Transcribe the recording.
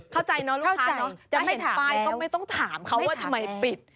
เข้าใจเนอะลูกค้าเนอะถ้าไม่ไปก็ไม่ต้องถามเขาว่าทำไมปิด